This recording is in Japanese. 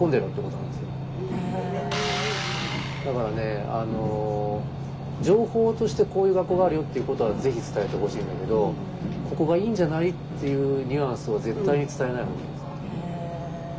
だからね情報としてこういう学校があるよっていうことはぜひ伝えてほしいんだけどここがいいんじゃないっていうニュアンスを絶対に伝えない方がいいです。